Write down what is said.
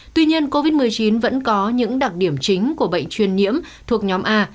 tuy nhiên covid một mươi chín vẫn có những đặc điểm chính của bệnh truyền nhiễm thuộc nhóm a